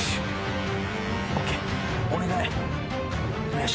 お願い。